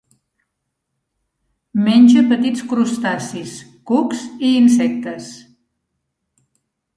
Menja petits crustacis, cucs i insectes.